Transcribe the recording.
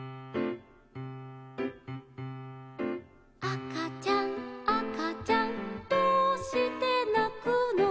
「あかちゃんあかちゃんどうしてなくの」